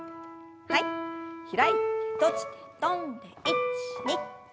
はい開いて閉じて跳んで１２３。